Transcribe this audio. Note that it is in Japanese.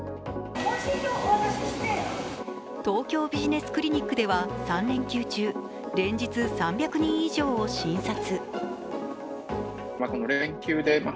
東京ビジネスクリニックでは３連休中、連日３００人以上を診察。